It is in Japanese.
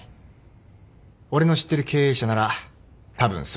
俺の知ってる経営者ならたぶんそう考える。